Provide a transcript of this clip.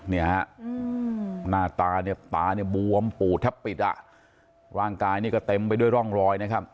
นี่ฮะหน้าตาตาบวมปูเท่าปิดร่างกายก็เต็มไปด้วยร่องรอย